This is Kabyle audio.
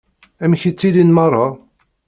Amek i ttilin meṛṛa?